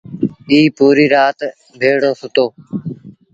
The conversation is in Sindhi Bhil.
ائيٚݩ پوريٚ رآت ڀيڙو سُتو